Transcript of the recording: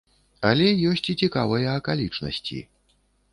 Але ёсць і цікавыя акалічнасці.